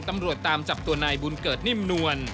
ตำรวจตามจับตัวนายบุญเกิดนิ่มนวล